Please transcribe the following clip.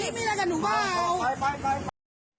ไป